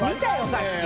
さっき。